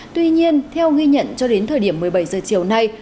tuy nhiên theo ghi nhận cho đến thời điểm một mươi bảy giờ chiều nay